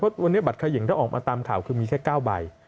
เพราะวันนี้บัตรเขย่งถ้าออกมาตามข่าวคือมีแค่๙ใบ